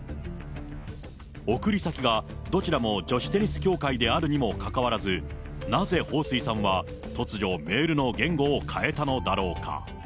送り先がどちらも女子テニス協会であるにもかかわらず、なぜ彭帥さんは突如、メールの言語を変えたのだろうか。